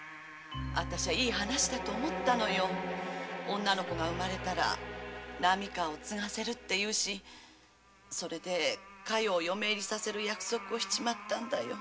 私はいい話だと思ったのに女の子が産まれたら波川を継がせると言うしそれで加代を嫁入りさせる約束をしてしまったんだよ。